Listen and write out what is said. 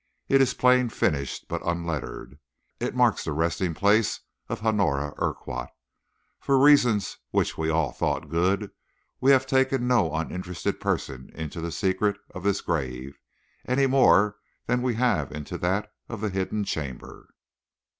It is plain finished but unlettered. It marks the resting place of Honora Urquhart. For reasons which we all thought good, we have taken no uninterested person into the secret of this grave, any more than we have into that of the hidden chamber.